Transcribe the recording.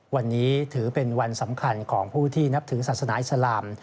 วันนี้ถือเป็นวันสำคัญของผู้ที่นับถือศาสนาอิสลาม